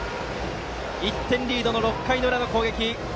１点リードの６回の裏の攻撃。